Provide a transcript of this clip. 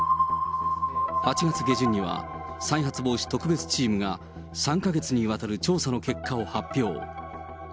８月下旬には、再発防止特別チームが３か月にわたる調査の結果を発表。